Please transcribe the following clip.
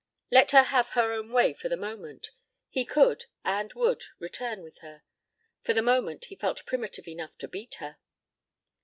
Let her have her own way for the moment. He could and would return with her. For the moment he felt primitive enough to beat her.